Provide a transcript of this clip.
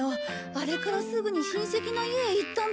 あれからすぐに親戚の家へ行ったんだって。